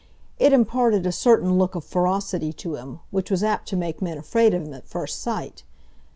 It imparted a certain look of ferocity to him, which was apt to make men afraid of him at first sight.